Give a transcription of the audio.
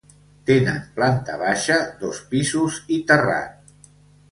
Tenen planta baixa, dos pisos i terrat.